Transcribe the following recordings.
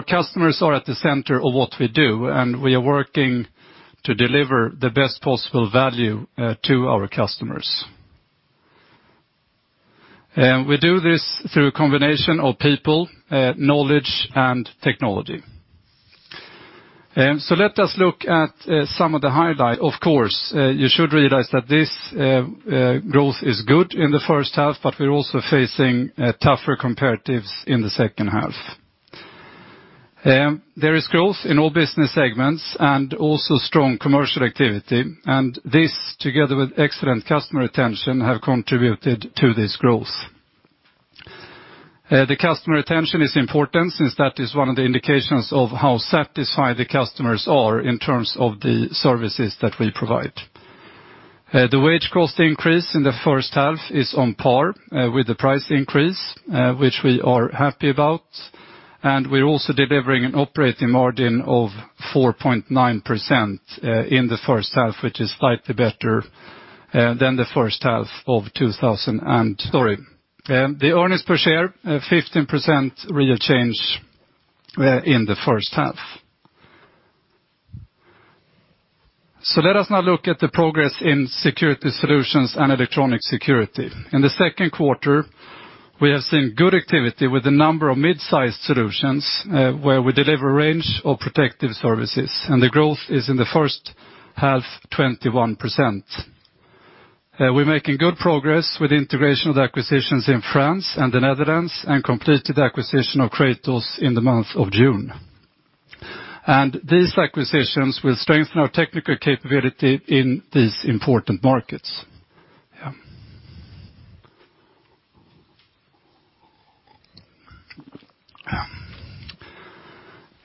Our customers are at the center of what we do, and we are working to deliver the best possible value to our customers. We do this through a combination of people, knowledge and technology. Let us look at some of the highlights. Of course, you should realize that this growth is good in the first half, but we're also facing tougher comparatives in the second half. There is growth in all business segments and also strong commercial activity, and this together with excellent customer retention have contributed to this growth. The customer retention is important since that is one of the indications of how satisfied the customers are in terms of the services that we provide. The wage cost increase in the first half is on par with the price increase, which we are happy about, and we are also delivering an operating margin of 4.9% in the first half, which is slightly better than the first half of. The earnings per share 15% real change in the first half. Let us now look at the progress in Security Solutions and Electronic Security. In the second quarter, we have seen good activity with a number of mid-sized solutions, where we deliver a range of protective services, and the growth is in the first half, 21%. We're making good progress with integration of the acquisitions in France and the Netherlands and completed the acquisition of Kratos in the month of June. These acquisitions will strengthen our technical capability in these important markets.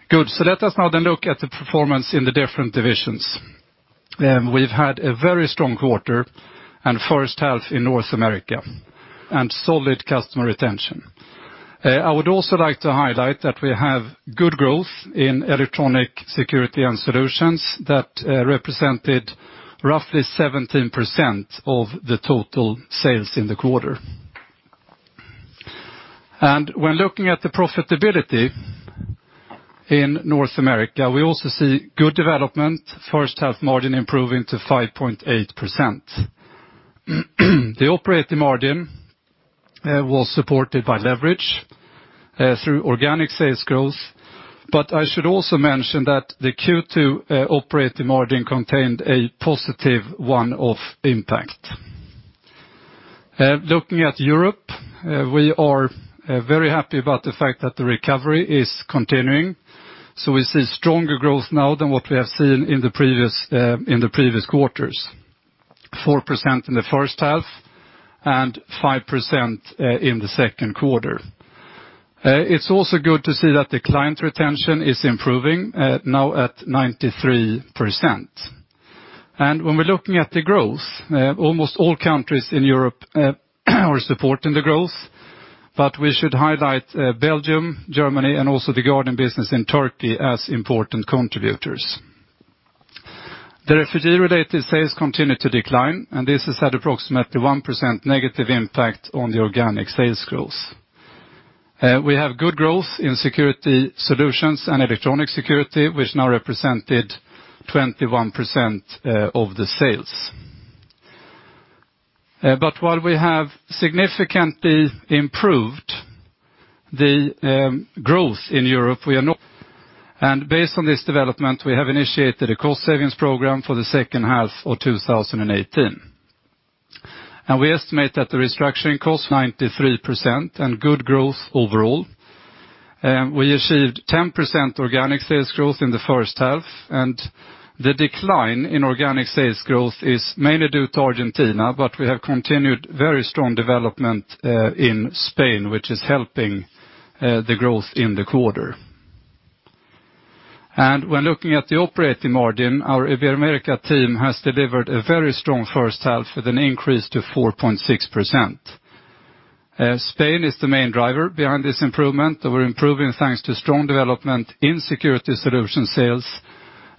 Good. Let us now then look at the performance in the different divisions. We've had a very strong quarter and first half in North America, and solid customer retention. I would also like to highlight that we have good growth in Electronic Security and Security Solutions that represented roughly 17% of the total sales in the quarter. When looking at the profitability in North America, we also see good development. First half margin improving to 5.8%. The operating margin was supported by leverage through organic sales growth. I should also mention that the Q2 operating margin contained a positive one-off impact. Looking at Europe, we are very happy about the fact that the recovery is continuing. We see stronger growth now than what we have seen in the previous quarters. 4% in the first half and 5% in the second quarter. It's also good to see that the client retention is improving, now at 93%. When we're looking at the growth, almost all countries in Europe are supporting the growth, but we should highlight Belgium, Germany, and also the guarding business in Turkey as important contributors. The refugee-related sales continue to decline, and this has had approximately 1% negative impact on the organic sales growth. We have good growth in Security Solutions and Electronic Security, which now represented 21% of the sales. While we have significantly improved the growth in Europe, based on this development, we have initiated a cost savings program for the second half of 2018. We estimate that the restructuring costs will be 93 million and good growth overall. We achieved 10% organic sales growth in the first half. The decline in organic sales growth is mainly due to Argentina, but we have continued very strong development in Spain, which is helping the growth in the quarter. When looking at the operating margin, our Ibero-America team has delivered a very strong first half with an increase to 4.6%. Spain is the main driver behind this improvement, and we're improving thanks to strong development in Security Solutions sales.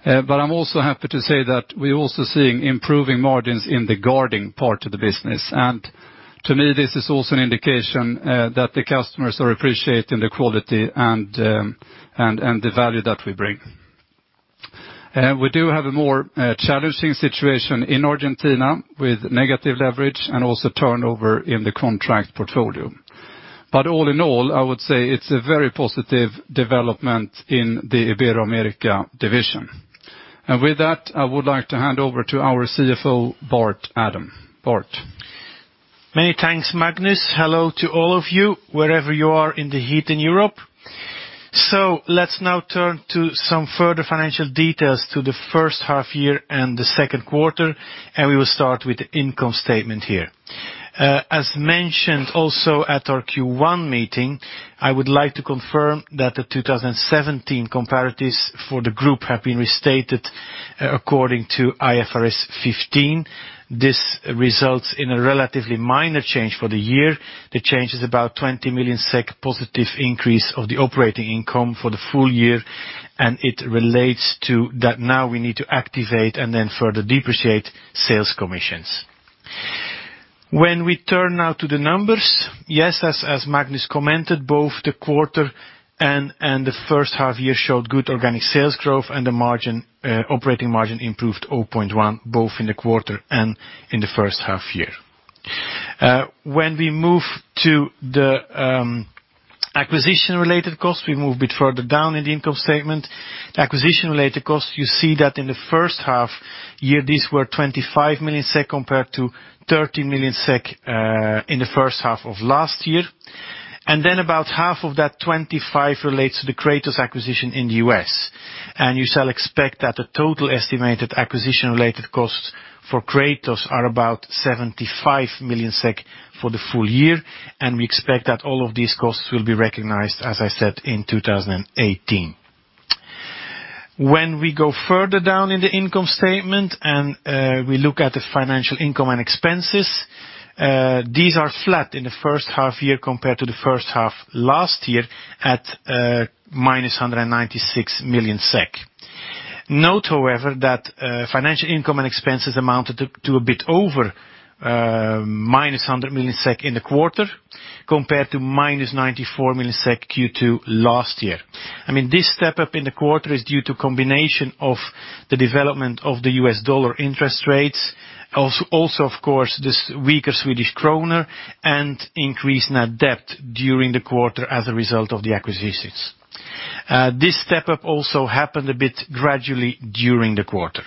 I'm also happy to say that we're also seeing improving margins in the guarding part of the business. To me, this is also an indication that the customers are appreciating the quality and the value that we bring. We do have a more challenging situation in Argentina with negative leverage and also turnover in the contract portfolio. All in all, I would say it's a very positive development in the Ibero-America division. With that, I would like to hand over to our CFO, Bart Adam. Bart. Many thanks, Magnus. Hello to all of you, wherever you are in the heat in Europe. Let's now turn to some further financial details to the first half year and the second quarter. We will start with the income statement here. As mentioned also at our Q1 meeting, I would like to confirm that the 2017 comparatives for the group have been restated according to IFRS 15. This results in a relatively minor change for the year. The change is about 20 million SEK positive increase of the operating income for the full year. It relates to that now we need to activate and then further depreciate sales commissions. When we turn now to the numbers, yes, as Magnus commented, both the quarter and the first half year showed good organic sales growth. The operating margin improved 0.1, both in the quarter and in the first half year. When we move to the acquisition related costs, we move a bit further down in the income statement. The acquisition related costs, you see that in the first half year, these were 25 million SEK compared to 13 million SEK in the first half of last year. Then about half of that 25 relates to the Kratos acquisition in the U.S. You shall expect that the total estimated acquisition related costs for Kratos are about 75 million SEK for the full year. We expect that all of these costs will be recognized, as I said, in 2018. When we go further down in the income statement and we look at the financial income and expenses, these are flat in the first half year compared to the first half last year at, minus 196 million SEK. Note, however, that financial income and expenses amounted to a bit over minus 100 million SEK in the quarter compared to minus 94 million SEK Q2 last year. This step up in the quarter is due to combination of the development of the U.S. dollar interest rates, also, of course, this weaker Swedish krona and increase net debt during the quarter as a result of the acquisitions. This step up also happened a bit gradually during the quarter.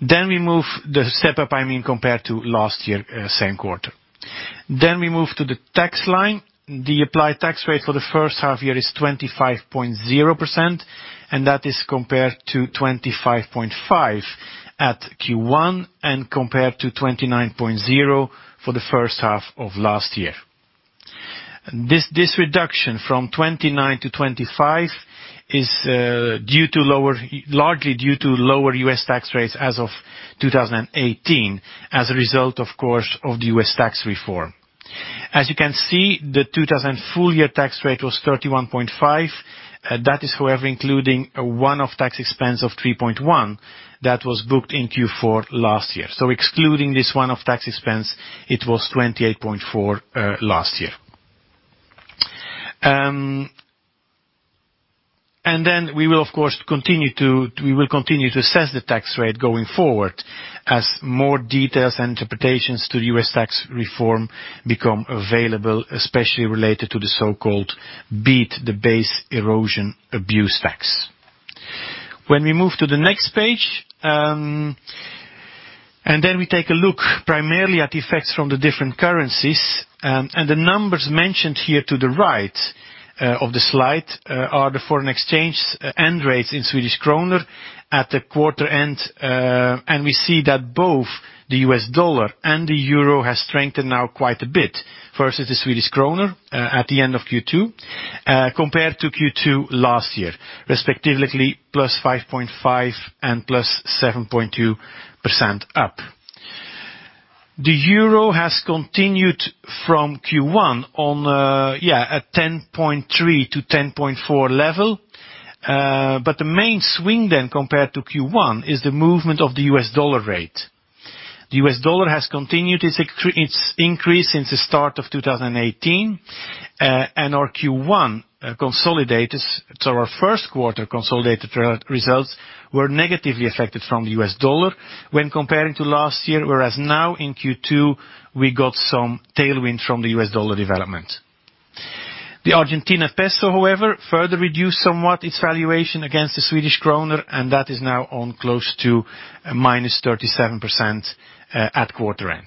We move the step up, I mean, compared to last year, same quarter. We move to the tax line. The applied tax rate for the first half year is 25.0%, that is compared to 25.5% at Q1 and compared to 29.0% for the first half of last year. This reduction from 29% to 25% is largely due to lower U.S. tax rates as of 2018 as a result, of course, of the U.S. tax reform. As you can see, the 2017 full year tax rate was 31.5%. That is, however, including a one-off tax expense of 3.1% that was booked in Q4 last year. Excluding this one-off tax expense, it was 28.4% last year. We will, of course, continue to assess the tax rate going forward as more details and interpretations to U.S. tax reform become available, especially related to the so-called BEAT, the Base Erosion and Anti-Abuse Tax. When we move to the next page, we take a look primarily at the effects from the different currencies. The numbers mentioned here to the right of the slide are the foreign exchange end rates in Swedish krona at the quarter-end. We see that both the U.S. dollar and the euro has strengthened now quite a bit versus the Swedish krona at the end of Q2 compared to Q2 last year, respectively +5.5% and +7.2% up. The euro has continued from Q1 at 10.3 to 10.4 level. The main swing then compared to Q1 is the movement of the U.S. dollar rate. The U.S. dollar has continued its increase since the start of 2018, and our Q1 consolidated results. Our first quarter consolidated results were negatively affected from the U.S. dollar when comparing to last year, whereas now in Q2, we got some tailwind from the U.S. dollar development. The Argentina peso, however, further reduced somewhat its valuation against the Swedish krona, and that is now on close to a -37% at quarter-end.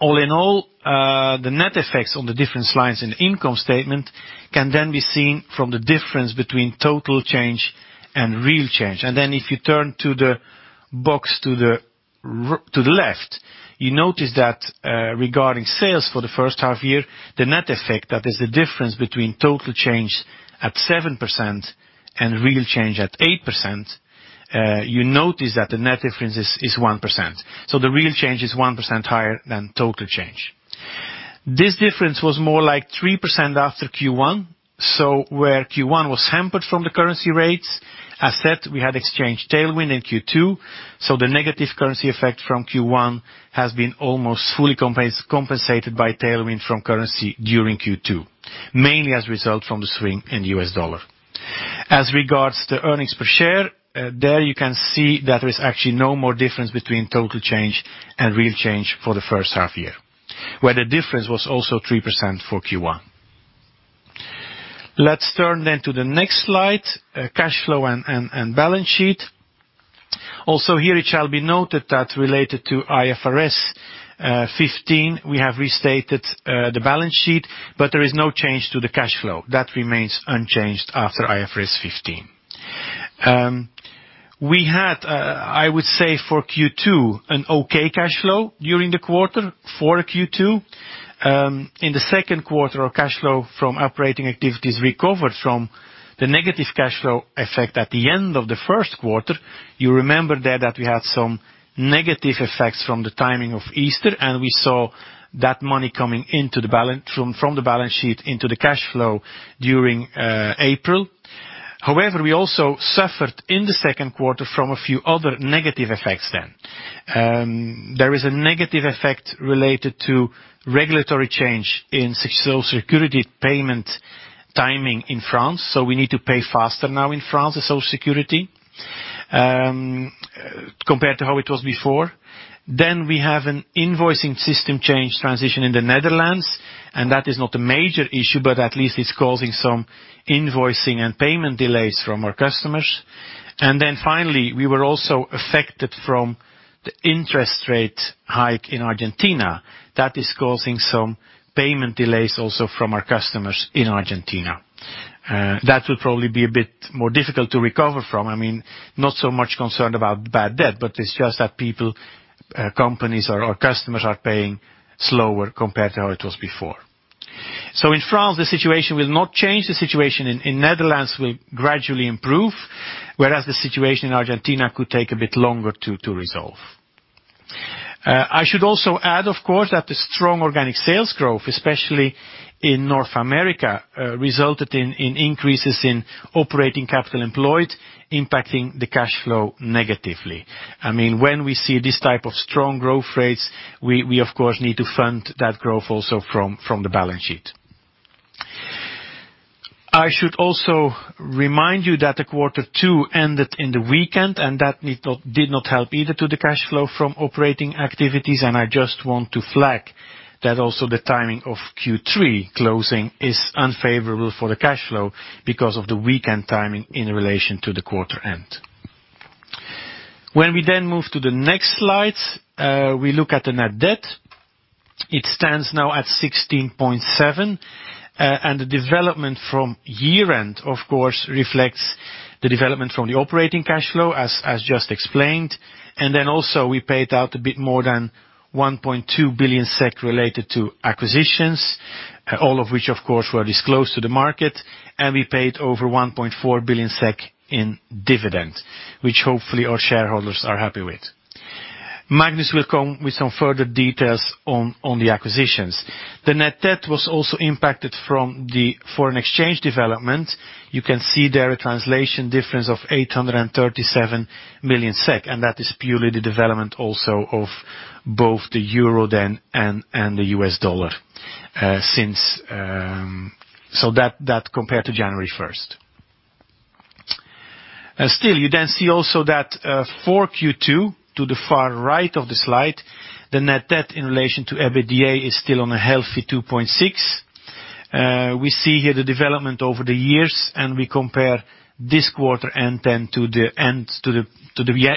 All in all, the net effects on the different slides in the income statement can be seen from the difference between total change and real change. If you turn to the box to the left, you notice that regarding sales for the first half year, the net effect, that is the difference between total change at 7% and real change at 8%, you notice that the net difference is 1%. The real change is 1% higher than total change. This difference was more like 3% after Q1. Where Q1 was hampered from the currency rates, as said, we had exchange tailwind in Q2. The negative currency effect from Q1 has been almost fully compensated by tailwind from currency during Q2, mainly as a result from the swing in the US dollar. As regards to earnings per share, there you can see that there is actually no more difference between total change and real change for the first half year, where the difference was also 3% for Q1. Let's turn to the next slide, cash flow and balance sheet. Here it shall be noted that related to IFRS 15, we have restated the balance sheet, but there is no change to the cash flow. That remains unchanged after IFRS 15. We had, I would say for Q2, an okay cash flow during the quarter for Q2. In the second quarter, our cash flow from operating activities recovered from the negative cash flow effect at the end of the first quarter. You remember there that we had some negative effects from the timing of Easter, and we saw that money coming from the balance sheet into the cash flow during April. We also suffered in the second quarter from a few other negative effects then. There is a negative effect related to regulatory change in Social Security payment timing in France. We need to pay faster now in France, the Social Security, compared to how it was before. We have an invoicing system change transition in the Netherlands. That is not a major issue, but at least it's causing some invoicing and payment delays from our customers. Finally, we were also affected from the interest rate hike in Argentina that is causing some payment delays also from our customers in Argentina. That will probably be a bit more difficult to recover from. Not so much concerned about bad debt, but it's just that people, companies, or our customers are paying slower compared to how it was before. In France, the situation will not change. The situation in Netherlands will gradually improve, whereas the situation in Argentina could take a bit longer to resolve. I should also add, of course, that the strong organic sales growth, especially in North America, resulted in increases in operating capital employed, impacting the cash flow negatively. When we see this type of strong growth rates, we of course need to fund that growth also from the balance sheet. I should also remind you that the quarter two ended in the weekend. That did not help either to the cash flow from operating activities. I just want to flag that also the timing of Q3 closing is unfavorable for the cash flow because of the weekend timing in relation to the quarter end. When we move to the next slide, we look at the net debt. It stands now at 16.7. The development from year-end, of course, reflects the development from the operating cash flow as just explained. We paid out a bit more than 1.2 billion SEK related to acquisitions, all of which, of course, were disclosed to the market. We paid over 1.4 billion SEK in dividend, which hopefully our shareholders are happy with. Magnus will come with some further details on the acquisitions. The net debt was also impacted from the foreign exchange development. You can see there a translation difference of 837 million SEK, and that is purely the development also of both the euro and the US dollar. That compared to January 1st. You then see also that for Q2, to the far right of the slide, the net debt in relation to EBITDA is still on a healthy 2.6. We see here the development over the years, and we compare this quarter and then to the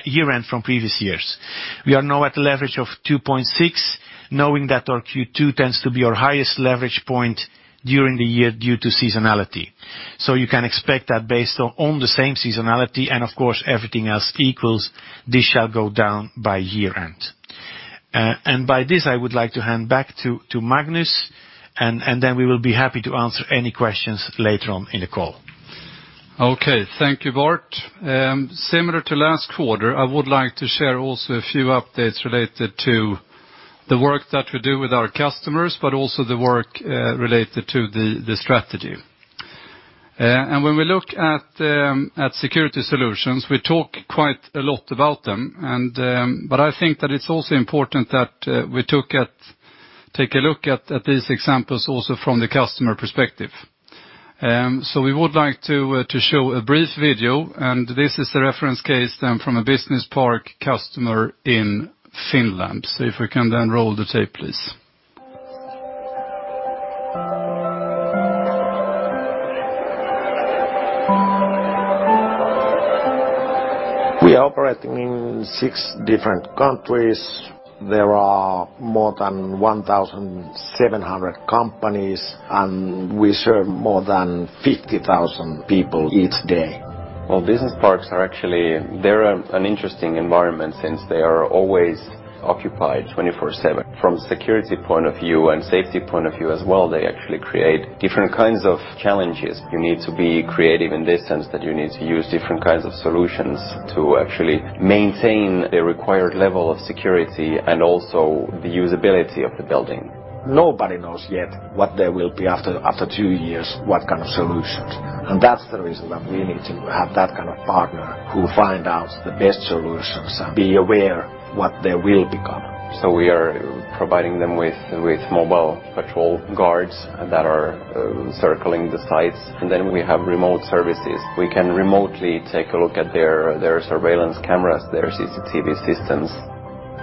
year-end from previous years. We are now at a leverage of 2.6, knowing that our Q2 tends to be our highest leverage point during the year due to seasonality. You can expect that based on the same seasonality and of course everything else equals, this shall go down by year-end. By this, I would like to hand back to Magnus, and then we will be happy to answer any questions later on in the call. Okay. Thank you, Bart. Similar to last quarter, I would like to share also a few updates related to the work that we do with our customers, but also the work related to the strategy. When we look at Security Solutions, we talk quite a lot about them. I think that it's also important that we take a look at these examples also from the customer perspective. We would like to show a brief video, and this is a reference case then from a business park customer in Finland. If we can then roll the tape, please. We are operating in six different countries. There are more than 1,700 companies, and we serve more than 50,000 people each day. Well, business parks. They're an interesting environment since they are always occupied 24/7. From security point of view and safety point of view as well, they actually create different kinds of challenges. You need to be creative in this sense that you need to use different kinds of solutions to actually maintain the required level of security and also the usability of the building. Nobody knows yet what there will be after two years, what kind of solutions. That's the reason that we need to have that kind of partner who find out the best solutions and be aware what there will become. We are providing them with mobile patrol guards that are circling the sites. Then we have remote services. We can remotely take a look at their surveillance cameras, their CCTV systems.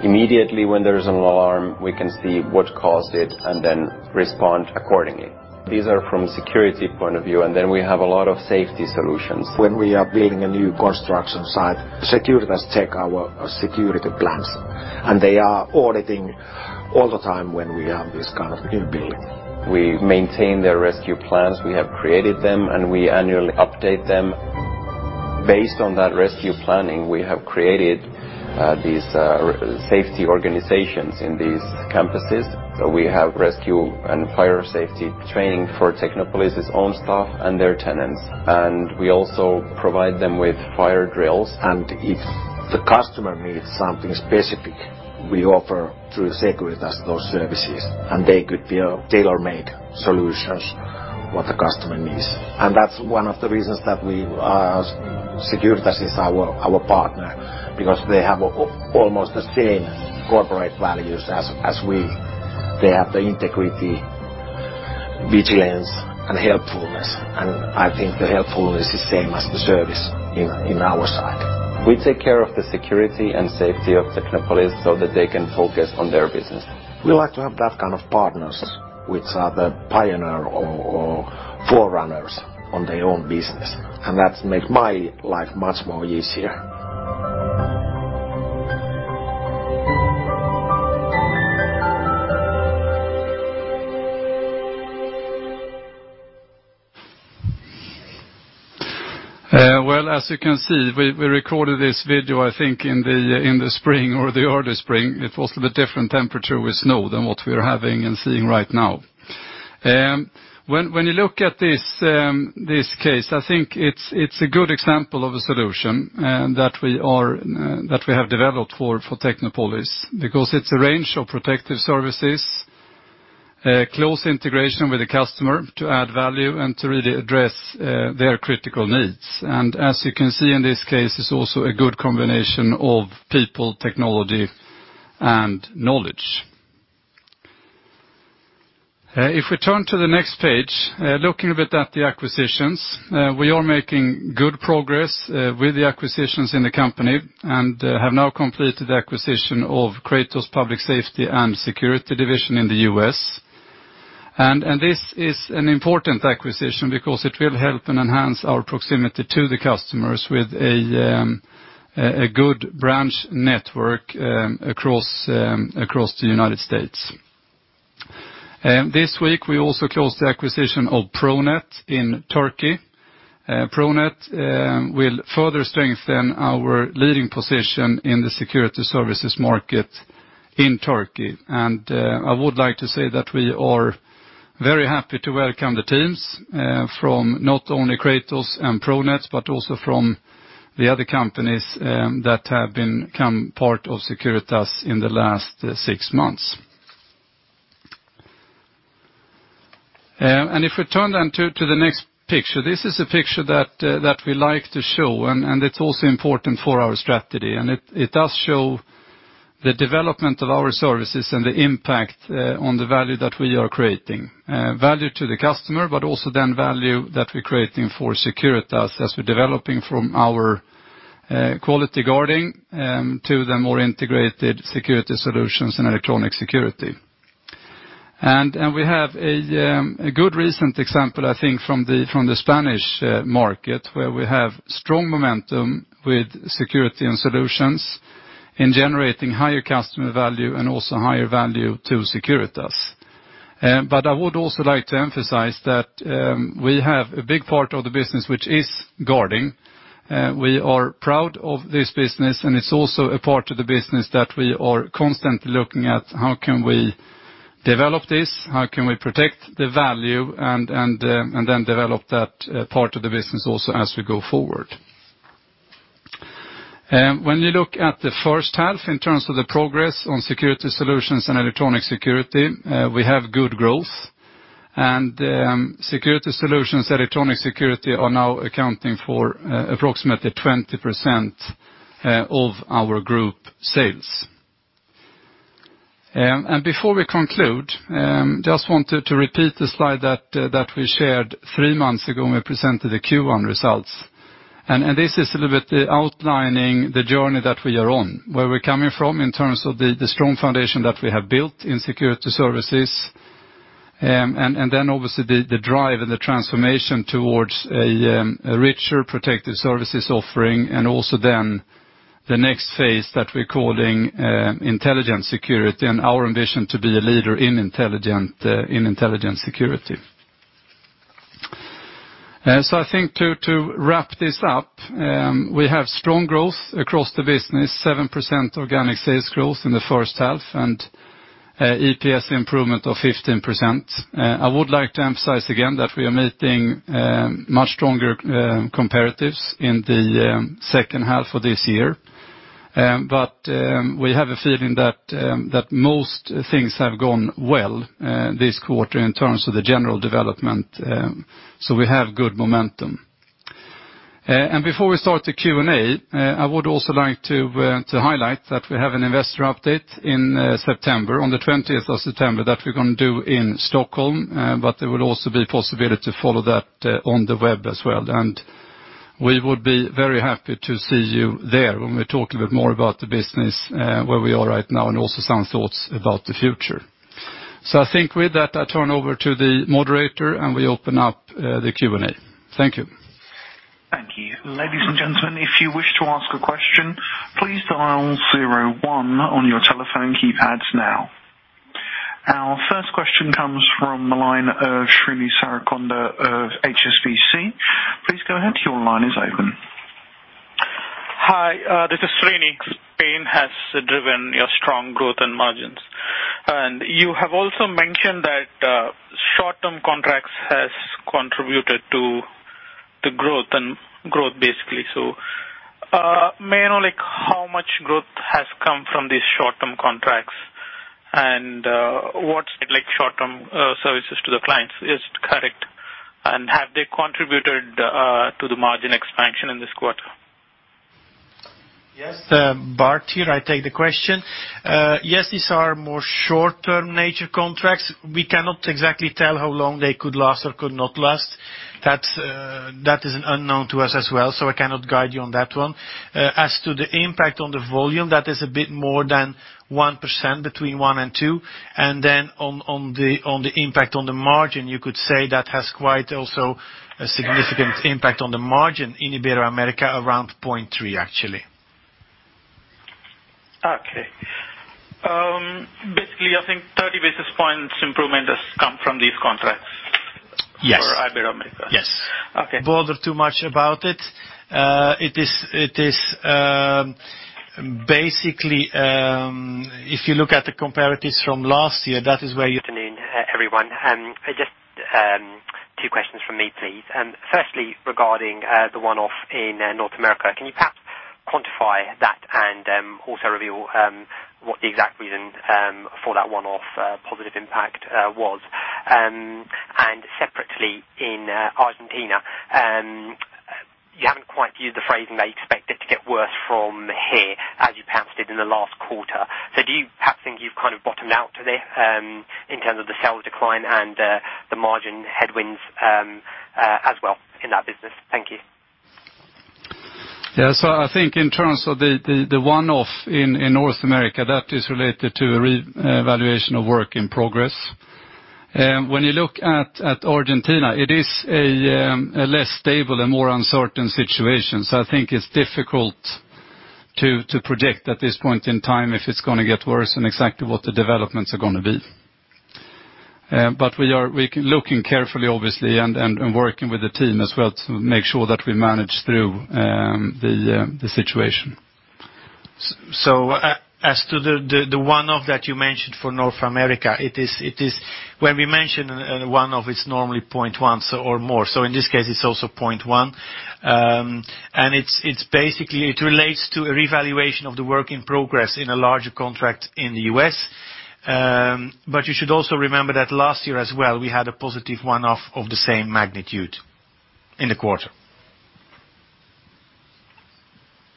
Immediately when there is an alarm, we can see what caused it and then respond accordingly. These are from a security point of view, and then we have a lot of safety solutions. When we are building a new construction site, Securitas take our security plans, and they are auditing all the time when we have this kind of in building. We maintain their rescue plans. We have created them, and we annually update them. Based on that rescue planning, we have created these safety organizations in these campuses. We have rescue and fire safety training for Technopolis's own staff and their tenants, and we also provide them with fire drills. If the customer needs something specific, we offer through Securitas those services, and they could be tailor-made solutions What the customer needs. That's one of the reasons that Securitas is our partner, because they have almost the same corporate values as we. They have the integrity, vigilance, and helpfulness, and I think the helpfulness is same as the service in our side. We take care of the security and safety of Technopolis so that they can focus on their business. We like to have that kind of partners, which are the pioneer or forerunners on their own business, that make my life much more easier. Well, as you can see, we recorded this video, I think in the spring or the early spring. It was with different temperature with snow than what we're having and seeing right now. When you look at this case, I think it's a good example of a solution that we have developed for Technopolis because it's a range of protective services, close integration with the customer to add value and to really address their critical needs. As you can see in this case, it's also a good combination of people, technology, and knowledge. If we turn to the next page, looking a bit at the acquisitions. We are making good progress with the acquisitions in the company, and have now completed the acquisition of Kratos Public Safety and Security division in the U.S. This is an important acquisition because it will help and enhance our proximity to the customers with a good branch network across the U.S. This week, we also closed the acquisition of Pronet in Turkey. Pronet will further strengthen our leading position in the security services market in Turkey. I would like to say that we are very happy to welcome the teams from not only Kratos and Pronet, but also from the other companies that have become part of Securitas in the last six months. If we turn then to the next picture, this is a picture that we like to show, and it's also important for our strategy. It does show the development of our services and the impact on the value that we are creating. Value to the customer, but also then value that we're creating for Securitas as we're developing from our quality guarding to the more integrated Security Solutions and Electronic Security. We have a good recent example, I think from the Spanish market, where we have strong momentum with Security Solutions in generating higher customer value and also higher value to Securitas. I would also like to emphasize that we have a big part of the business which is guarding. We are proud of this business, and it's also a part of the business that we are constantly looking at how can we develop this, how can we protect the value, and then develop that part of the business also as we go forward. When you look at the first half in terms of the progress on Security Solutions and Electronic Security, we have good growth. Security Solutions, Electronic Security are now accounting for approximately 20% of our group sales. Before we conclude, just wanted to repeat the slide that we shared three months ago when we presented the Q1 results. This is a little bit outlining the journey that we are on, where we're coming from in terms of the strong foundation that we have built in security services. Obviously the drive and the transformation towards a richer protective services offering, and also then the next phase that we're calling intelligent security and our ambition to be a leader in intelligent security. I think to wrap this up, we have strong growth across the business, 7% organic sales growth in the first half, and EPS improvement of 15%. I would like to emphasize again that we are meeting much stronger comparatives in the second half of this year. We have a feeling that most things have gone well this quarter in terms of the general development. We have good momentum. Before we start the Q&A, I would also like to highlight that we have an investor update in September, on September 20th that we're going to do in Stockholm. There will also be possibility to follow that on the web as well. We would be very happy to see you there when we talk a bit more about the business, where we are right now, and also some thoughts about the future. I think with that, I turn over to the moderator, and we open up the Q&A. Thank you. Thank you. Ladies and gentlemen, if you wish to ask a question, please dial zero one on your telephone keypads now. Our first question comes from the line of Srini Srikonda of HSBC. Please go ahead. Your line is open. Hi, this is Srini. Spain has driven your strong growth and margins. You have also mentioned that short-term contracts has contributed to the growth basically. May I know how From these short-term contracts, and what's it like short-term services to the clients? Is it correct, and have they contributed to the margin expansion in this quarter? Yes. Bart here, I take the question. Yes, these are more short-term nature contracts. We cannot exactly tell how long they could last or could not last. That is an unknown to us as well, so I cannot guide you on that one. As to the impact on the volume, that is a bit more than 1%, between 1% and 2%. Then on the impact on the margin, you could say that has quite also a significant impact on the margin in Ibero-America, around 0.3%, actually. Okay. Basically, I think 30 basis points improvement has come from these contracts. Yes for Ibero-America. Yes. Okay. Don't bother too much about it. It is basically, if you look at the comparatives from last year, that is where you. Good afternoon, everyone. Just two questions from me, please. Firstly, regarding the one-off in North America, can you perhaps quantify that and also reveal what the exact reason for that one-off positive impact was? Separately, in Argentina, you haven't quite used the phrasing that you expect it to get worse from here as you perhaps did in the last quarter. Do you perhaps think you've bottomed out to this in terms of the sales decline and the margin headwinds as well in that business? Thank you. I think in terms of the one-off in North America, that is related to a revaluation of work in progress. When you look at Argentina, it is a less stable and more uncertain situation. I think it's difficult to project at this point in time if it's going to get worse and exactly what the developments are going to be. But we are looking carefully, obviously, and working with the team as well to make sure that we manage through the situation. As to the one-off that you mentioned for North America, when we mention one-off it's normally 0.1 or more, in this case, it's also 0.1. Basically it relates to a revaluation of the work in progress in a larger contract in the U.S. You should also remember that last year as well, we had a positive one-off of the same magnitude in the quarter.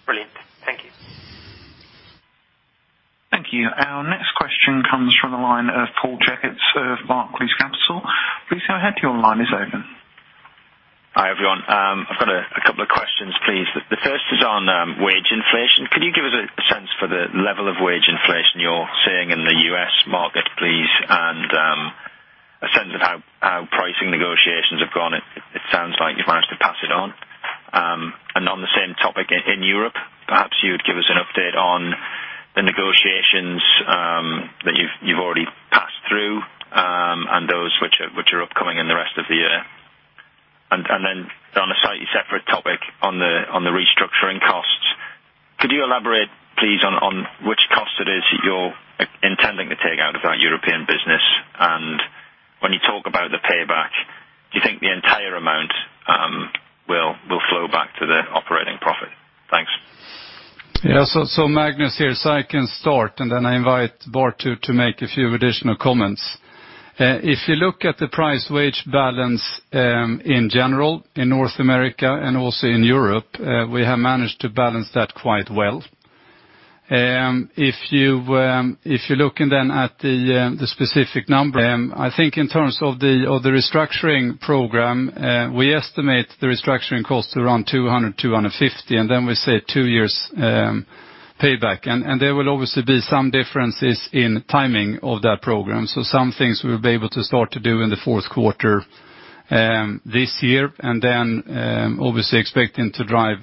Brilliant. Thank you. Thank you. Our next question comes from the line of Paul Checketts of Barclays Capital. Please go ahead, your line is open. Hi, everyone. I've got a couple of questions, please. The first is on wage inflation. Can you give us a sense for the level of wage inflation you're seeing in the U.S. market, please, and a sense of how pricing negotiations have gone? It sounds like you've managed to pass it on. On the same topic, in Europe, perhaps you would give us an update on the negotiations that you've already passed through, and those which are upcoming in the rest of the year. On a slightly separate topic on the restructuring costs, could you elaborate, please, on which cost it is that you're intending to take out of that European business? When you talk about the payback, do you think the entire amount will flow back to the operating profit? Thanks. Magnus here. I can start, and then I invite Bart to make a few additional comments. If you look at the price wage balance, in general, in North America and also in Europe, we have managed to balance that quite well. If you're looking at the specific number in terms of the restructuring program, we estimate the restructuring cost around 200 million-250 million, and then we say 2 years payback. There will obviously be some differences in timing of that program. Some things we'll be able to start to do in the fourth quarter this year, and then obviously expecting to drive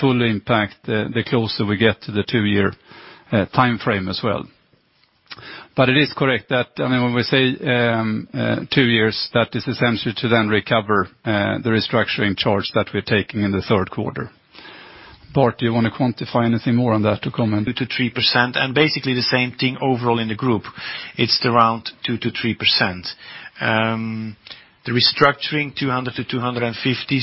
full impact the closer we get to the 2-year timeframe as well. It is correct that, when we say 2 years, that is essentially to then recover the restructuring charge that we're taking in the third quarter. Bart, do you want to quantify anything more on that to comment? 2%-3%. Basically the same thing overall in the group. It's around 2%-3%. The restructuring, 200 million-250 million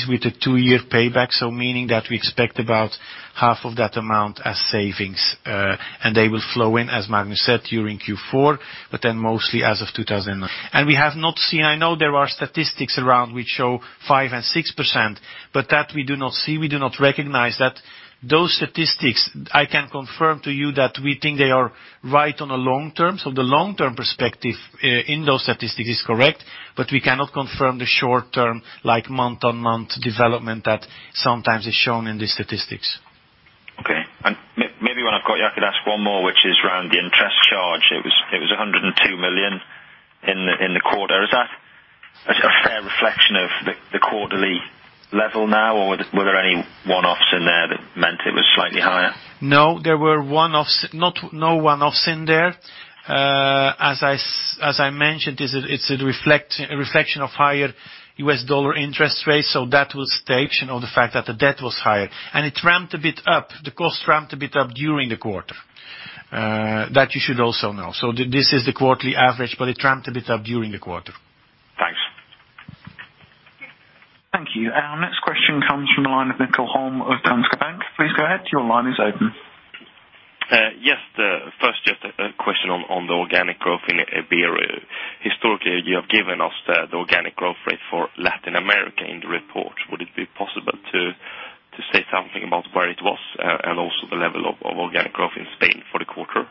with a 2-year payback, meaning that we expect about half of that amount as savings. They will flow in, as Magnus said, during Q4, but then mostly as of 2019. We have not seen, I know there are statistics around which show 5% and 6%, but that we do not see, we do not recognize that. Those statistics, I can confirm to you that we think they are right on a long-term. The long-term perspective in those statistics is correct, but we cannot confirm the short term, like month-on-month development that sometimes is shown in the statistics. Okay. Maybe while I've got you, I could ask one more, which is around the interest charge. It was 102 million in the quarter. Is that a fair reflection of the quarterly level now, or were there any one-offs in there that meant it was slightly higher? No, no one-offs in there. As I mentioned, it's a reflection of higher U.S. dollar interest rates, so that was staged, and on the fact that the debt was higher. It ramped a bit up. The cost ramped a bit up during the quarter. That you should also know. This is the quarterly average, but it ramped a bit up during the quarter. Thank you. Our next question comes from the line of Mikael Holm of DNB. Please go ahead. Your line is open. Yes. First, just a question on the organic growth in Ibero-America. Historically, you have given us the organic growth rate for Latin America in the report. Would it be possible to say something about where it was, and also the level of organic growth in Spain for the quarter?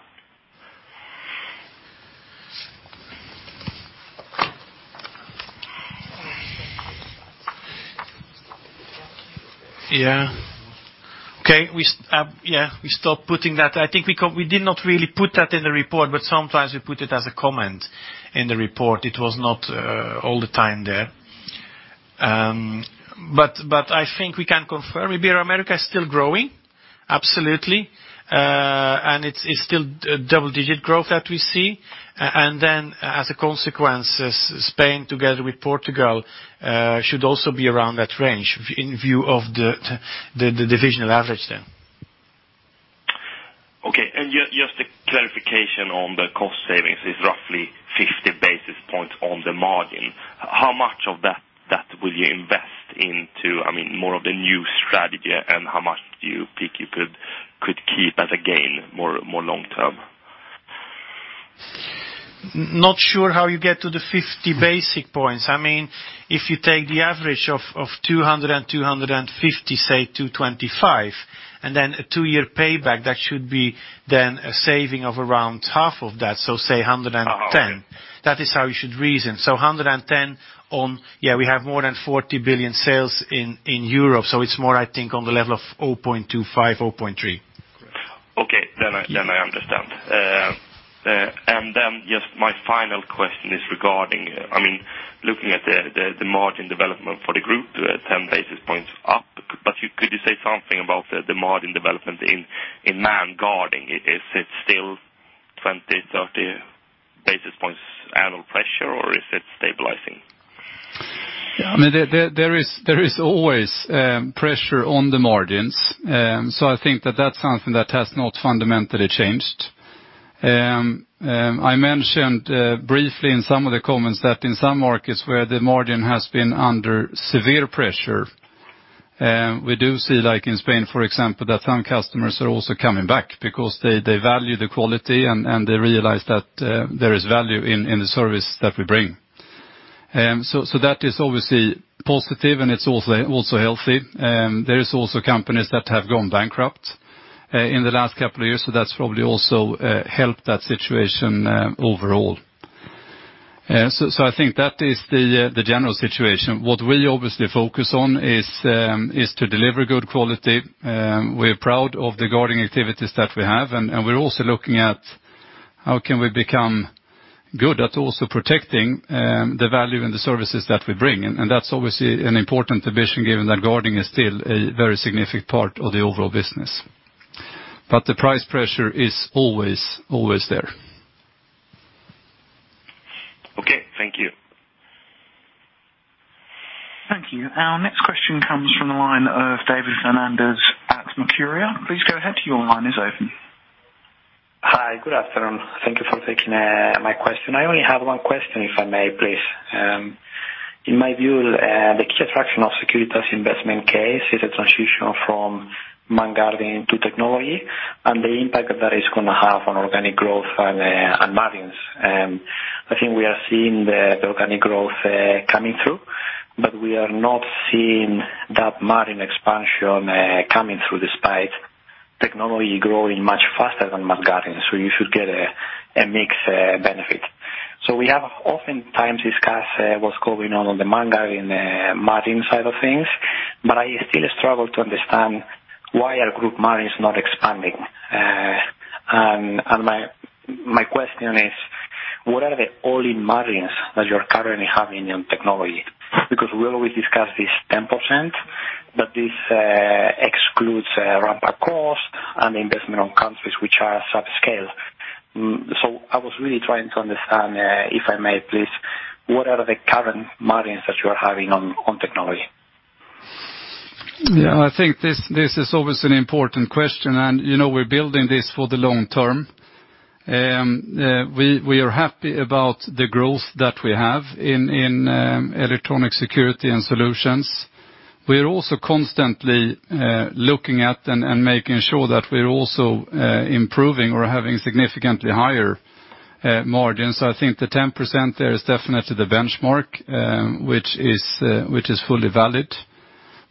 Okay. We stopped putting that. I think we did not really put that in the report, but sometimes we put it as a comment in the report. It was not all the time there. I think we can confirm Ibero-America is still growing. Absolutely. It's still double-digit growth that we see. As a consequence, Spain together with Portugal should also be around that range in view of the divisional average then. Okay. Just a clarification on the cost savings is roughly 50 basis points on the margin. How much of that will you invest into more of the new strategy, and how much do you think you could keep as a gain more long-term? Not sure how you get to the 50 basis points. If you take the average of 200 and 250, say 225, and then a two-year payback, that should be then a saving of around half of that, so say 110. Oh, okay. That is how you should reason. 110 on, yeah, we have more than 40 billion sales in Europe, it's more, I think, on the level of 0.25, 0.3. Okay. I understand. Just my final question is regarding, looking at the margin development for the group, 10 basis points up. Could you say something about the margin development in manned guarding? Is it still 20, 30 basis points annual pressure, or is it stabilizing? There is always pressure on the margins. I think that that's something that has not fundamentally changed. I mentioned briefly in some of the comments that in some markets where the margin has been under severe pressure, we do see, like in Spain, for example, that some customers are also coming back because they value the quality and they realize that there is value in the service that we bring. That is obviously positive, and it's also healthy. There is also companies that have gone bankrupt in the last couple of years, that's probably also helped that situation overall. I think that is the general situation. What we obviously focus on is to deliver good quality. We're proud of the guarding activities that we have, and we're also looking at how can we become good at also protecting the value and the services that we bring. That's obviously an important division, given that guarding is still a very significant part of the overall business. The price pressure is always there. Okay. Thank you. Thank you. Our next question comes from the line of David Fernandez at Mercuria. Please go ahead. Your line is open. Hi. Good afternoon. Thank you for taking my question. I only have one question, if I may, please. In my view, the key attraction of Securitas investment case is a transition from manned guarding to technology and the impact that is going to have on organic growth and margins. I think we are seeing the organic growth coming through, but we are not seeing that margin expansion coming through despite technology growing much faster than manned guarding, so you should get a mixed benefit. We have oftentimes discussed what is going on the manned guarding and margin side of things, but I still struggle to understand why our group margin is not expanding. My question is, what are the all-in margins that you are currently having on technology? We always discuss this 10%, but this excludes ramp-up cost and investment on countries which are subscale. I was really trying to understand, if I may please, what are the current margins that you are having on technology? I think this is always an important question, we're building this for the long term. We are happy about the growth that we have in Electronic Security and Security Solutions. We are also constantly looking at and making sure that we're also improving or having significantly higher margins. I think the 10% there is definitely the benchmark, which is fully valid.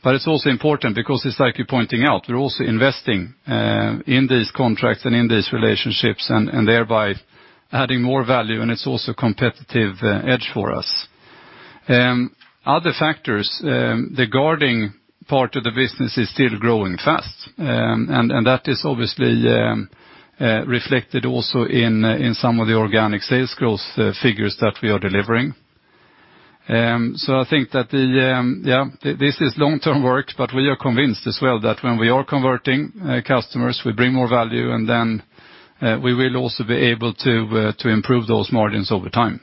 It's also important because as like you're pointing out, we're also investing in these contracts and in these relationships and thereby adding more value, and it's also competitive edge for us. Other factors, the guarding part of the business is still growing fast. That is obviously reflected also in some of the organic sales growth figures that we are delivering. I think that this is long-term work, we are convinced as well that when we are converting customers, we bring more value, then we will also be able to improve those margins over time.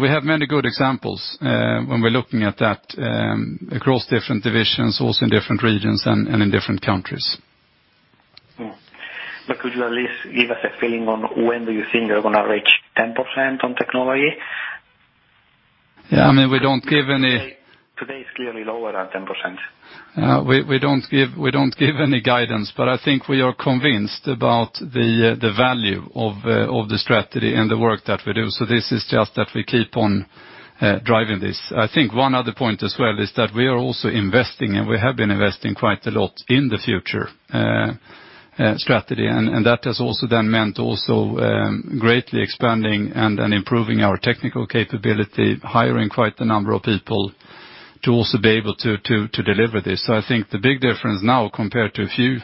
We have many good examples when we're looking at that across different divisions, also in different regions and in different countries. Could you at least give us a feeling on when do you think you're going to reach 10% on technology? Yeah, we don't give. Today is clearly lower than 10%. We don't give any guidance, but I think we are convinced about the value of the strategy and the work that we do, so this is just that we keep on driving this. I think one other point as well is that we are also investing, and we have been investing quite a lot in the future strategy, and that has also then meant also greatly expanding and improving our technical capability, hiring quite a number of people to also be able to deliver this. I think the big difference now compared to a few,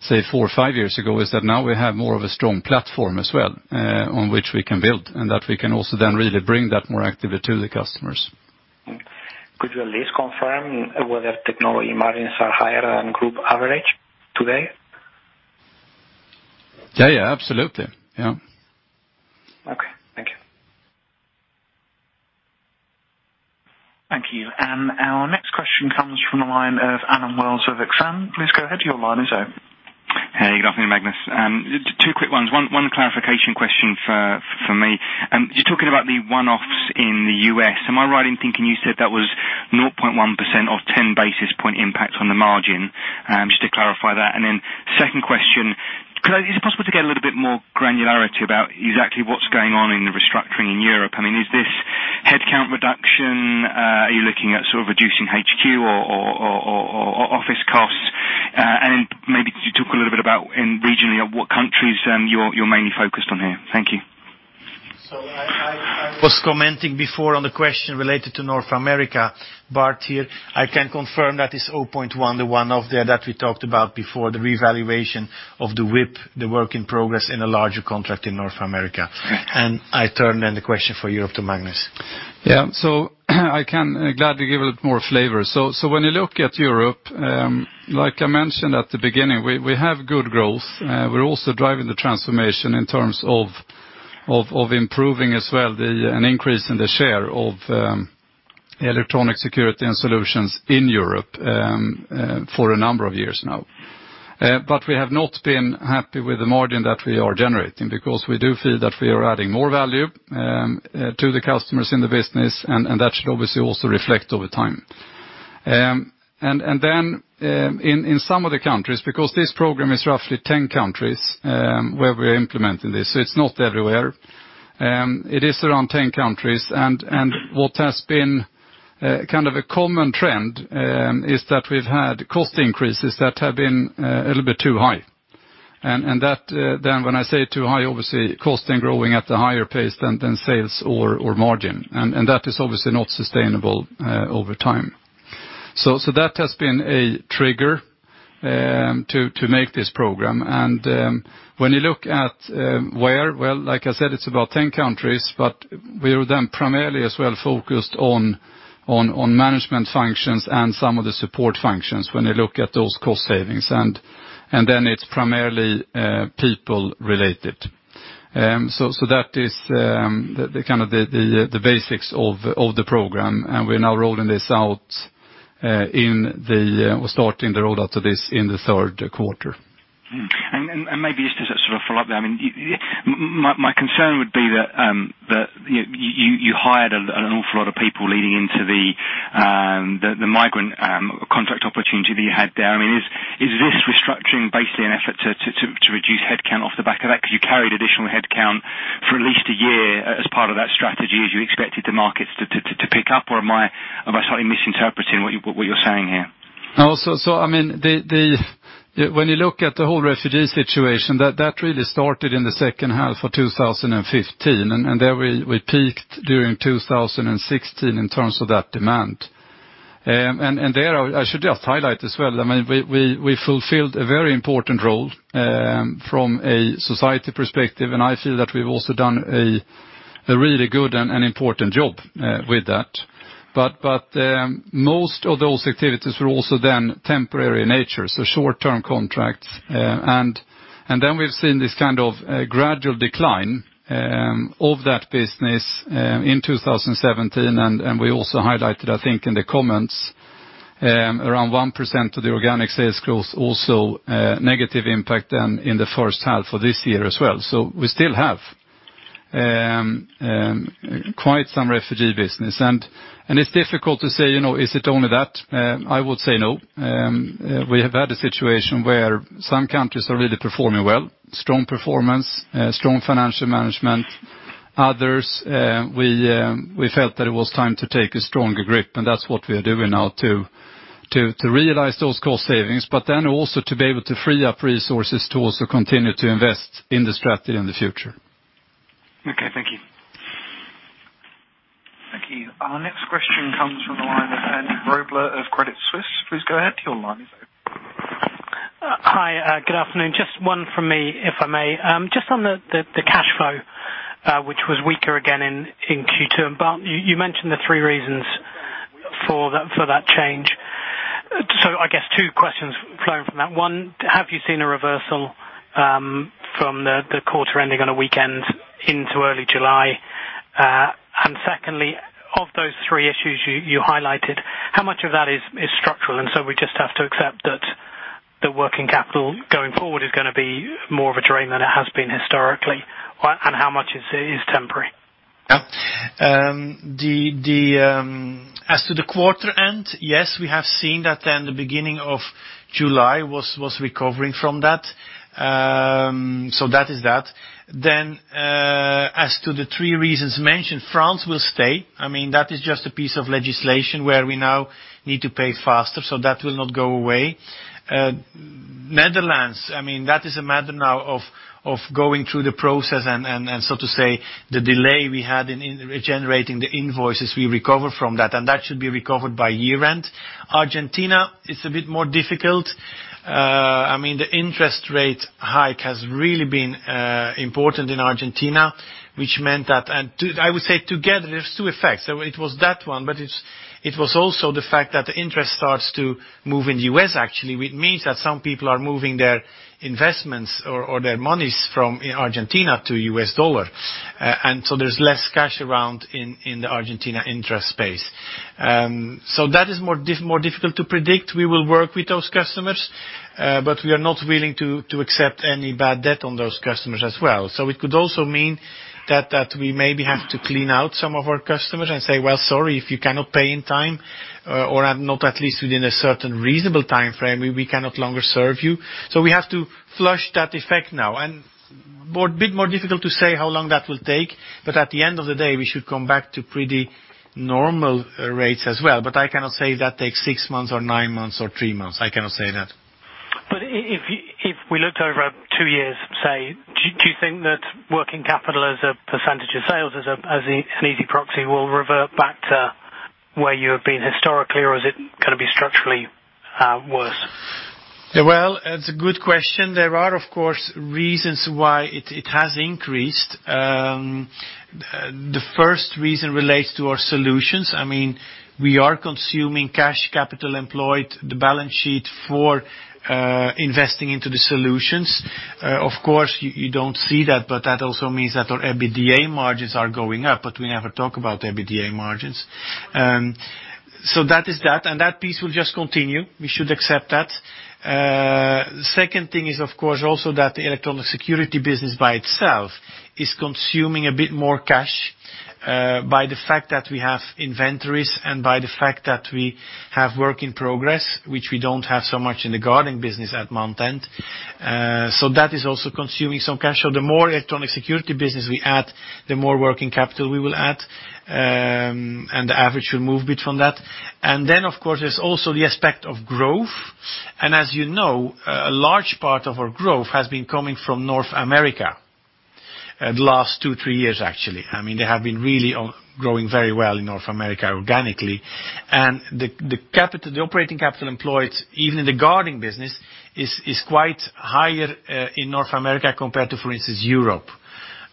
say four or five years ago, is that now we have more of a strong platform as well on which we can build, and that we can also then really bring that more actively to the customers. Could you at least confirm whether technology margins are higher than group average today? Yeah, absolutely. Yeah. Okay. Thank you. Thank you. Our next question comes from the line of Adam Wells with Exane. Please go ahead, your line is open. Hey, good afternoon, Magnus. Two quick ones. One clarification question for me. You're talking about the one-offs in the U.S. Am I right in thinking you said that was 0.1% or 10 basis point impact on the margin? Just to clarify that, second question, is it possible to get a little bit more granularity about exactly what's going on in the restructuring in Europe? I mean, is this headcount reduction? Are you looking at sort of reducing HQ or office costs? Maybe could you talk a little bit about regionally, what countries you're mainly focused on here? Thank you. I was commenting before on the question related to North America. Bart here. I can confirm that it's 0.1%, the one-off there that we talked about before, the revaluation of the WIP, the work in progress in a larger contract in North America. I turn the question for Europe to Magnus. Yeah. I can gladly give a little more flavor. When you look at Europe, like I mentioned at the beginning, we have good growth. We're also driving the transformation in terms of improving as well an increase in the share of Electronic Security and Security Solutions in Europe for a number of years now. We have not been happy with the margin that we are generating because we do feel that we are adding more value to the customers in the business, and that should obviously also reflect over time. In some of the countries, because this program is roughly 10 countries, where we're implementing this. It's not everywhere. It is around 10 countries, what has been kind of a common trend is that we've had cost increases that have been a little bit too high, and that then when I say too high, obviously costing growing at a higher pace than sales or margin. That is obviously not sustainable over time. That has been a trigger to make this program, when you look at where, well, like I said, it's about 10 countries, but we are then primarily as well focused on management functions and some of the support functions when you look at those cost savings, it's primarily people related. That is the basics of the program, and we're now rolling this out. We're starting the rollout of this in the third quarter. Maybe just as a sort of follow-up there. My concern would be that you hired an awful lot of people leading into the migrant contract opportunity that you had there. Is this restructuring basically an effort to reduce headcount off the back of that? You carried additional headcount for at least a year as part of that strategy, as you expected the markets to pick up, or am I slightly misinterpreting what you're saying here? When you look at the whole refugee situation, that really started in the second half of 2015, there we peaked during 2016 in terms of that demand. There I should just highlight as well, we fulfilled a very important role from a society perspective, and I feel that we've also done a really good and an important job with that. Most of those activities were also then temporary in nature, so short-term contracts. We've seen this kind of gradual decline of that business in 2017, and we also highlighted, I think, in the comments around 1% of the organic sales growth also negative impact in the first half of this year as well. We still have quite some refugee business, and it's difficult to say, is it only that? I would say no. We have had a situation where some countries are really performing well, strong performance, strong financial management. Others, we felt that it was time to take a stronger grip, and that's what we are doing now to realize those cost savings, but then also to be able to free up resources to also continue to invest in the strategy in the future. Okay. Thank you. Thank you. Our next question comes from the line of Andy Robler of Credit Suisse. Please go ahead. Your line is open. Hi, good afternoon. Just one from me, if I may. Just on the cash flow, which was weaker again in Q2. Bart, you mentioned the three reasons for that change. I guess two questions flowing from that. One, have you seen a reversal from the quarter ending on a weekend into early July? Secondly, of those three issues you highlighted, how much of that is structural, and we just have to accept that the working capital going forward is going to be more of a drain than it has been historically, and how much is temporary? As to the quarter end, yes, we have seen that the beginning of July was recovering from that. That is that. As to the three reasons mentioned, France will stay. That is just a piece of legislation where we now need to pay faster, so that will not go away. Netherlands, that is a matter now of going through the process and to say, the delay we had in regenerating the invoices, we recover from that, and that should be recovered by year-end. Argentina is a bit more difficult. The interest rate hike has really been important in Argentina, which meant that I would say together, there's two effects. It was that one, but it was also the fact that the interest starts to move in the U.S., actually, which means that some people are moving their investments or their monies from Argentina to U.S. dollar. There's less cash around in the Argentina interest space. That is more difficult to predict. We will work with those customers, but we are not willing to accept any bad debt on those customers as well. It could also mean that we maybe have to clean out some of our customers and say, "Well, sorry, if you cannot pay in time or not at least within a certain reasonable timeframe, we cannot longer serve you." We have to flush that effect now. Bit more difficult to say how long that will take, but at the end of the day, we should come back to pretty normal rates as well. I cannot say if that takes six months or nine months or three months. I cannot say that. If we looked over two years, say, do you think that working capital as a percentage of sales as an easy proxy will revert back to where you have been historically or is it going to be structurally worse? Well, it's a good question. There are, of course, reasons why it has increased. The first reason relates to our Security Solutions. We are consuming cash capital employed, the balance sheet for investing into the solutions. Of course, you don't see that, but that also means that our EBITDA margins are going up, but we never talk about EBITDA margins. That is that, and that piece will just continue. We should accept that. Second thing is, of course, also that the Electronic Security business by itself is consuming a bit more cash by the fact that we have inventories and by the fact that we have work in progress, which we don't have so much in the guarding business at month end. That is also consuming some cash. The more Electronic Security business we add, the more working capital we will add, the average should move a bit from that. Then, of course, there's also the aspect of growth. As you know, a large part of our growth has been coming from North America the last two, three years, actually. They have been really growing very well in North America organically. The operating capital employed, even in the guarding business, is quite higher in North America compared to, for instance, Europe.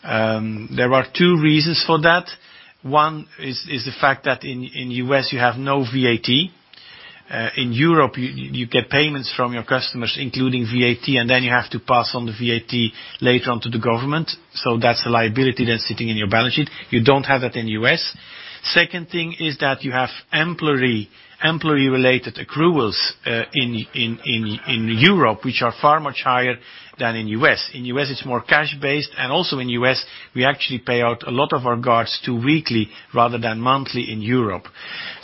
There are two reasons for that. One is the fact that in U.S., you have no VAT. In Europe, you get payments from your customers, including VAT, then you have to pass on the VAT later on to the government. That's a liability that's sitting in your balance sheet. You don't have that in U.S. Second thing is that you have employee-related accruals in Europe, which are far much higher than in U.S. In U.S., it's more cash-based, also in U.S., we actually pay out a lot of our guards to weekly rather than monthly in Europe.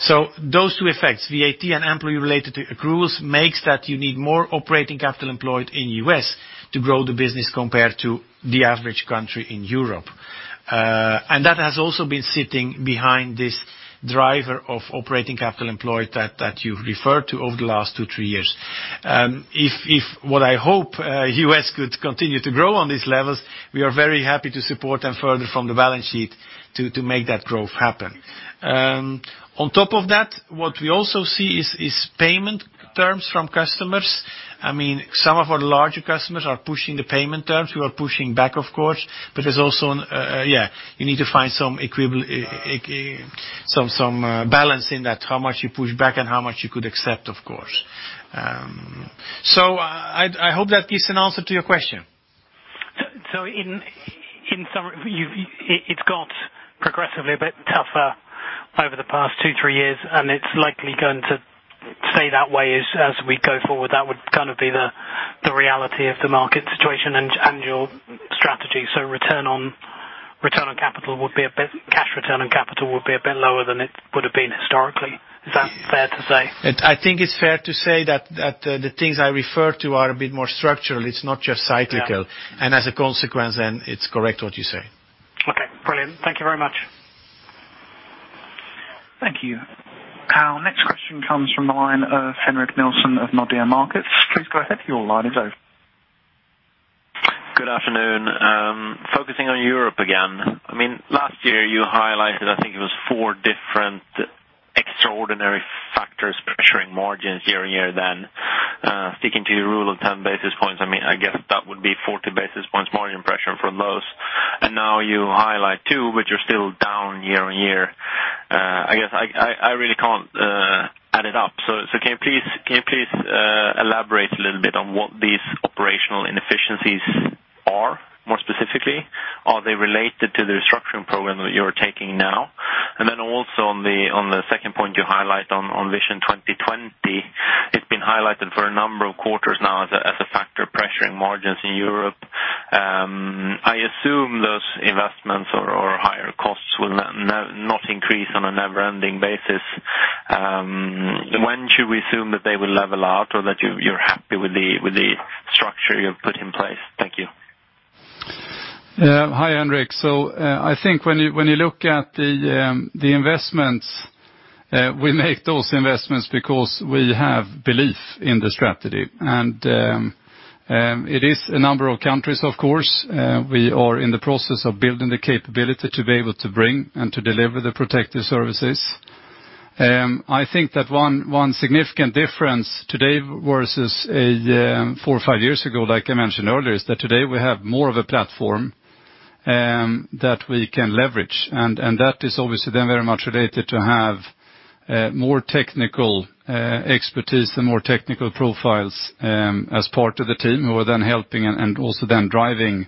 Those two effects, VAT and employee-related accruals, makes that you need more operating capital employed in U.S. to grow the business compared to the average country in Europe. That has also been sitting behind this driver of operating capital employed that you referred to over the last two, three years. What I hope U.S. could continue to grow on these levels, we are very happy to support them further from the balance sheet to make that growth happen. On top of that, what we also see is payment terms from customers. Some of our larger customers are pushing the payment terms. We are pushing back, of course, but there's also You need to find some balance in that, how much you push back and how much you could accept, of course. I hope that gives an answer to your question. In summary, it got progressively a bit tougher over the past two, three years, it's likely going to stay that way as we go forward. That would be the reality of the market situation and your strategy. Cash return on capital would be a bit lower than it would have been historically. Is that fair to say? I think it's fair to say that the things I refer to are a bit more structural. It's not just cyclical. Yeah. As a consequence, it's correct what you say. Okay, brilliant. Thank you very much. Thank you. Our next question comes from the line of Henrik Nelson of Nordea Markets. Please go ahead, your line is open. Good afternoon. Focusing on Europe again. Last year you highlighted, I think it was four different extraordinary factors pressuring margins year-on-year then. Sticking to your rule of 10 basis points, I guess that would be 40 basis points margin pressure from those. Now you highlight two, but you're still down year-on-year. These are more specifically, are they related to the restructuring program that you're taking now? Also on the second point you highlight on Vision 2020. It's been highlighted for a number of quarters now as a factor pressuring margins in Europe. I assume those investments or higher costs will not increase on a never-ending basis. When should we assume that they will level out or that you're happy with the structure you've put in place? Thank you. Hi, Henrik. I think when you look at the investments, we make those investments because we have belief in the strategy, and it is a number of countries, of course. We are in the process of building the capability to be able to bring and to deliver the protective services. I think that one significant difference today versus four or five years ago, like I mentioned earlier, is that today we have more of a platform that we can leverage, and that is obviously then very much related to have more technical expertise, the more technical profiles as part of the team who are then helping and also then driving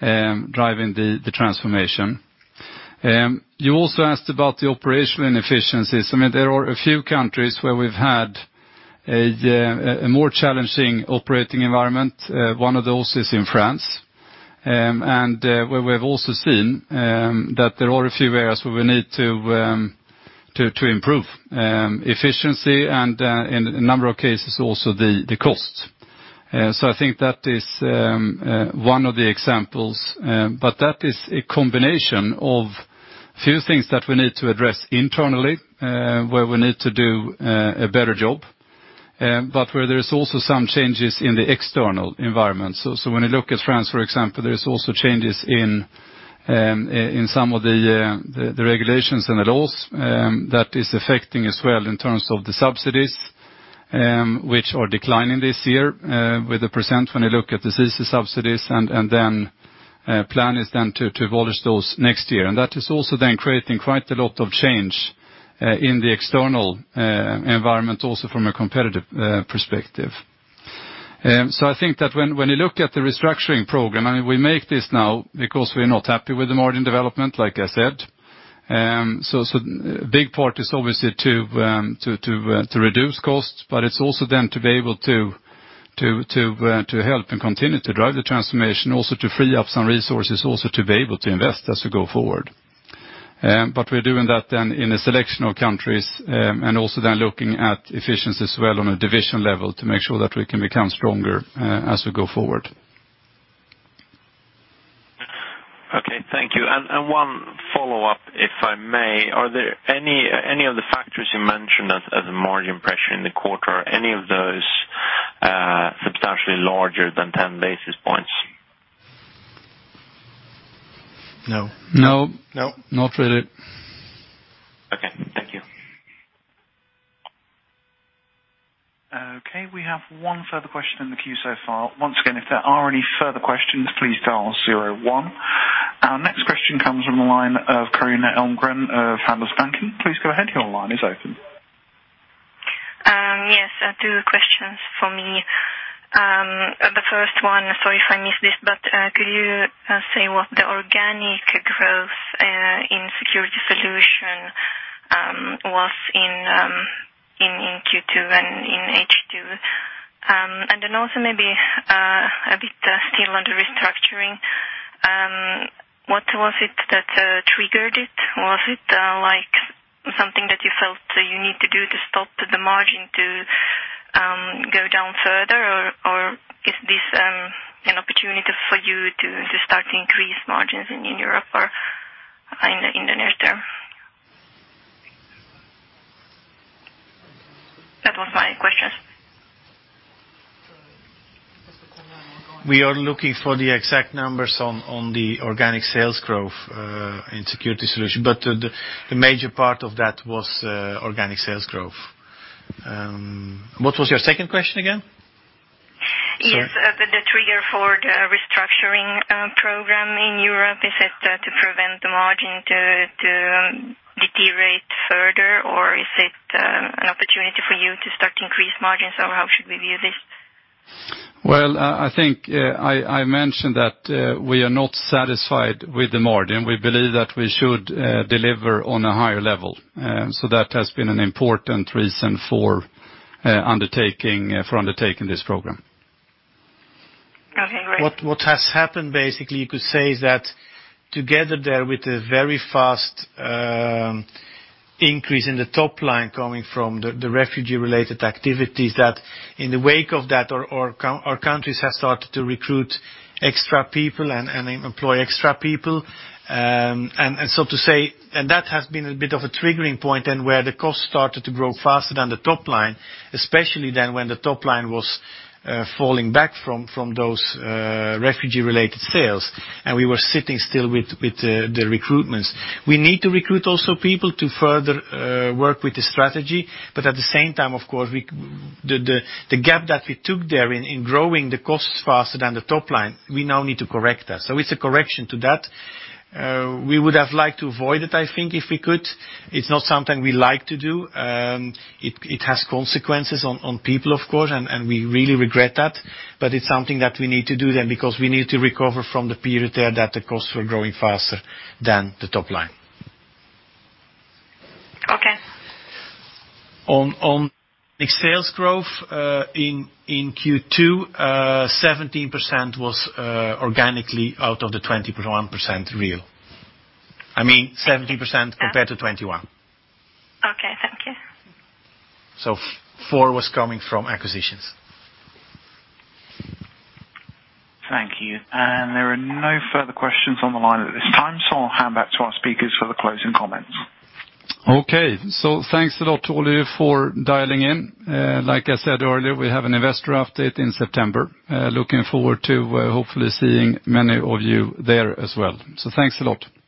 the transformation. You also asked about the operational inefficiencies. There are a few countries where we've had a more challenging operating environment. One of those is in France, where we have also seen that there are a few areas where we need to improve efficiency and in a number of cases, also the costs. I think that is one of the examples, but that is a combination of few things that we need to address internally where we need to do a better job, but where there's also some changes in the external environment. When you look at France, for example, there's also changes in some of the regulations and the laws that is affecting as well in terms of the subsidies which are declining this year with the percent when you look at CICE subsidies, and plan is then to abolish those next year. That is also then creating quite a lot of change in the external environment also from a competitive perspective. I think that when you look at the restructuring program, and we make this now because we're not happy with the margin development, like I said. Big part is obviously to reduce costs, but it's also then to be able to help and continue to drive the transformation, also to free up some resources, also to be able to invest as we go forward. We're doing that then in a selection of countries, and also then looking at efficiency as well on a division level to make sure that we can become stronger as we go forward. Okay, thank you. One follow-up, if I may. Are there any of the factors you mentioned as a margin pressure in the quarter, any of those substantially larger than 10 basis points? No. No. No. Not really. Okay, thank you. Okay, we have one further question in the queue so far. Once again, if there are any further questions, please dial 01. Our next question comes from the line of Karina Elmgren of Handelsbanken. Please go ahead. Your line is open. Yes, two questions for me. The first one, sorry if I missed this, could you say what the organic growth in Security Solution was in Q2 and in H2? Also maybe a bit still on the restructuring. What was it that triggered it? Was it something that you felt you need to do to stop the margin to go down further? Is this an opportunity for you to start to increase margins in Europe or in the near term? That was my questions. We are looking for the exact numbers on the organic sales growth in Security Solution. The major part of that was organic sales growth. What was your second question again? Sorry. Yes, the trigger for the restructuring program in Europe, is it to prevent the margin to deteriorate further, or is it an opportunity for you to start to increase margins, or how should we view this? Well, I think I mentioned that we are not satisfied with the margin. We believe that we should deliver on a higher level. That has been an important reason for undertaking this program. Okay, great. What has happened, basically, you could say, is that together there with a very fast increase in the top line coming from the refugee-related activities, that in the wake of that, our countries have started to recruit extra people and employ extra people. To say, and that has been a bit of a triggering point then where the cost started to grow faster than the top line, especially then when the top line was falling back from those refugee-related sales, and we were sitting still with the recruitments. We need to recruit also people to further work with the strategy. At the same time, of course, the gap that we took there in growing the costs faster than the top line, we now need to correct that. It's a correction to that. We would have liked to avoid it, I think, if we could. It's not something we like to do. It has consequences on people, of course, and we really regret that, but it's something that we need to do then because we need to recover from the period there that the costs were growing faster than the top line. Okay. On sales growth in Q2, 17% was organically out of the 21% real. I mean, 17% compared to 21. Okay, thank you. Four was coming from acquisitions. Thank you. There are no further questions on the line at this time, I'll hand back to our speakers for the closing comments. Okay. Thanks a lot to all of you for dialing in. Like I said earlier, we have an investor update in September. Looking forward to hopefully seeing many of you there as well. Thanks a lot. Thank you.